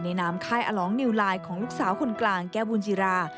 นามค่ายอลองนิวไลน์ของลูกสาวคนกลางแก้วบุญจิรา